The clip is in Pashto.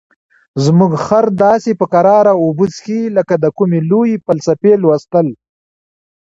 زموږ خر داسې په کراره اوبه څښي لکه د کومې لویې فلسفې لوستل.